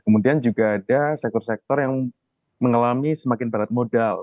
kemudian juga ada sektor sektor yang mengalami semakin berat modal